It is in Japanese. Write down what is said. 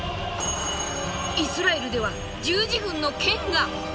イスラエルでは十字軍の剣が。